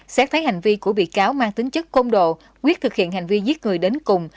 xét thấy hành vi của bị cáo mang tính chất công độ quyết thực hiện hành vi giết người đến cùng